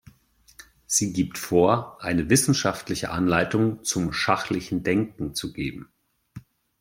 Sie gibt vor, eine wissenschaftliche Anleitung zum schachlichen Denken zu geben.